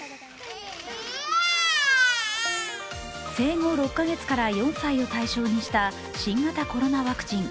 生後６か月から４歳を対象にした新型コロナワクチン。